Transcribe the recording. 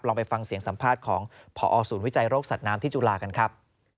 ไปฟังเสียงสัมภาษณ์ของพอศูนย์วิจัยโรคสัตว์น้ำที่จุฬากันครับ